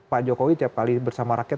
pak jokowi tiap kali bersama rakyat